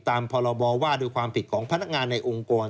พรบว่าด้วยความผิดของพนักงานในองค์กร